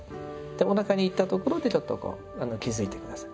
おなかにいったところでちょっとこう気づいて下さい。